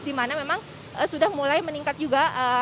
di mana memang sudah mulai meningkat juga